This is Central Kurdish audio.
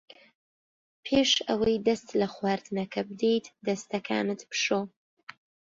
پێش ئەوەی دەست لە خواردنەکە بدەیت دەستەکانت بشۆ.